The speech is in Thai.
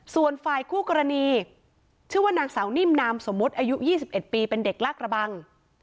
ส่วนฝ่ายคู่กรณีชื่อว่านางสาวนิ่มนามสมมุติอายุ๒๑ปีเป็นเด็กลากระบัง